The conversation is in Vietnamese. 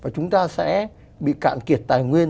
chúng ta sẽ bị cạn kiệt tài nguyên